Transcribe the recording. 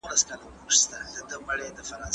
افغانستان ښکلی دئ.